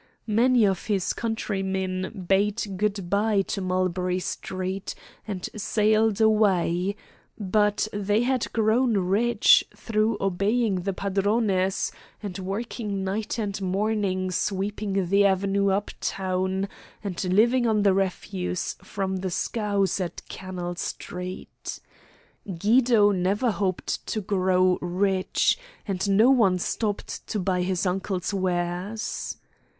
Many of his countrymen bade good by to Mulberry Street and sailed away; but they had grown rich through obeying the padrones, and working night and morning sweeping the Avenue uptown, and by living on the refuse from the scows at Canal Street. Guido never hoped to grow rich, and no one stopped to buy his uncle's wares.